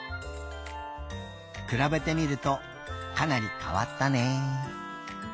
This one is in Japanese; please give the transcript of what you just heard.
くらべてみるとかなりかわったね。